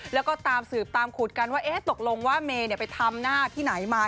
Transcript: แล้วก็ตามสืบตามขุดกันว่าตกลงว่าเมย์ไปทำหน้าที่ไหนมา